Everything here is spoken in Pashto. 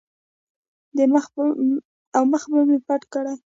او مخ مې پټ کړي.